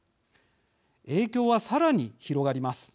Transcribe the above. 影響はさらに広がります。